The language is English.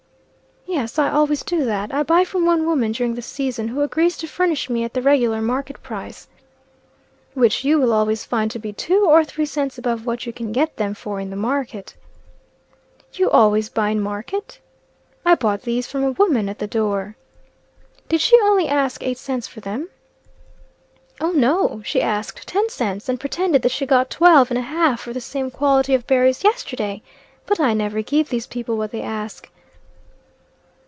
"Yes, I always do that. I buy from one woman during the season, who agrees to furnish me at the regular market price." "Which you will always find to be two or three cents above what you can get them for in the market." "You always buy in market." "I bought these from a woman at the door." "Did she only ask eight cents for them?" "Oh, no! She asked ten cents, and pretended that she got twelve and a half for the same quality of berries yesterday. But I never give these people what they ask."